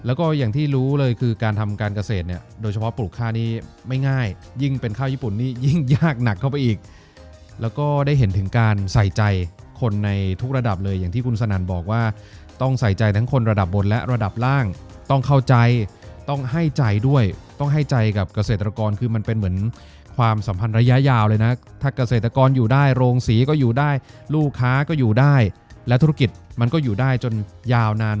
แล้วก็อย่างที่รู้เลยคือการทำการเกษตรเนี่ยโดยเฉพาะปลูกข้านี้ไม่ง่ายยิ่งเป็นข้าวญี่ปุ่นนี้ยิ่งยากหนักเข้าไปอีกแล้วก็ได้เห็นถึงการใส่ใจคนในทุกระดับเลยอย่างที่คุณสนันบอกว่าต้องใส่ใจทั้งคนระดับบนและระดับล่างต้องเข้าใจต้องให้ใจด้วยต้องให้ใจกับเกษตรกรคือมันเป็นเหมือนความสัมพันธ์ระย